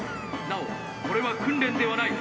なおこれは訓練ではない！」。